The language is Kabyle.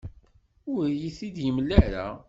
Ur iyi-t-id-yemla ara.